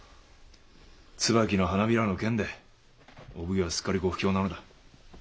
椿の花びらの件でお奉行はすっかりご不興なのだ。